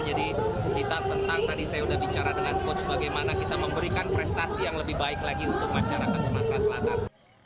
jadi kita tentang tadi saya sudah bicara dengan coach bagaimana kita memberikan prestasi yang lebih baik lagi untuk masyarakat sumatera selatan